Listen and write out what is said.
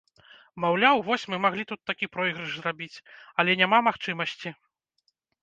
Маўляў, вось, мы маглі тут такі пройгрыш зрабіць, але няма магчымасці!